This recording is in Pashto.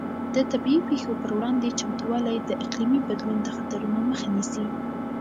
د طبیعي پېښو پر وړاندې چمتووالی د اقلیمي بدلون د خطرونو مخه نیسي.